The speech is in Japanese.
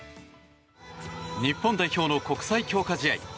日本代表の国際強化試合。